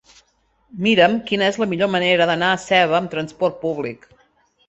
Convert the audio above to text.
Mira'm quina és la millor manera d'anar a Seva amb trasport públic.